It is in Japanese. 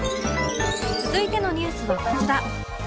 続いてのニュースはこちら